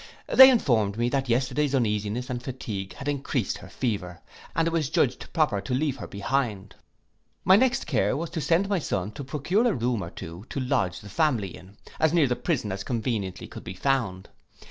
They informed me that yesterday's uneasiness and fatigue had encreased her fever, and it was judged proper to leave her behind. My next care was to send my son to procure a room or two to lodge the family in, as near the prison as conveniently could be found.